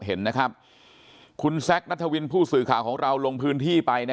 เห็นนะครับคุณแซคนัทวินผู้สื่อข่าวของเราลงพื้นที่ไปนะ